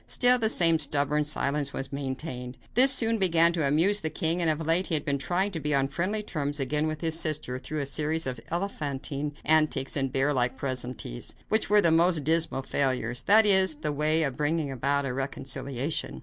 Still the same stubborn silence was maintained. This soon began to amuse the king, and of late he had been trying to be on friendly terms again with his sister through a series of elephantine antics and bear like pleasantries, which were the most dismal failures that is, in the way of bringing about a reconciliation.